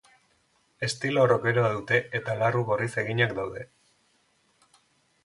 Estilo rockeroa dute eta larru gorriz eginak daude.